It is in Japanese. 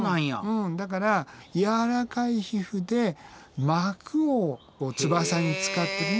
うんだから柔らかい皮膚で膜を翼に使ってね。